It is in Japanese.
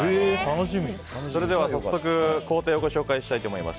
それでは早速工程をご紹介したいと思います。